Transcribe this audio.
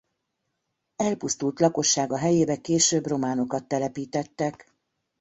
Elpusztult lakossága helyébe később románokat telepítettek.